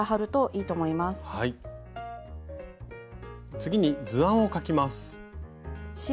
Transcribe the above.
次に図案を描きます。